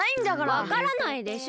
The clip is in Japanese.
わからないでしょ！